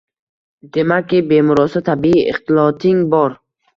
Demakki, bemurosa tabiiy ixtiloting bor